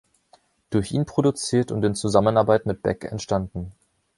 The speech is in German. Durch ihn produziert und in Zusammenarbeit mit Beck entstanden.